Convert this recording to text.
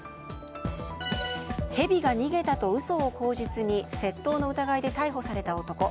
ヘビが逃げたと嘘を口実に窃盗の疑いで逮捕された男。